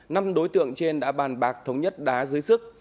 năm đối tượng trên đã bàn bạc thống nhất đá dưới sức